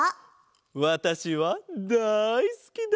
わたしはだいすきだ！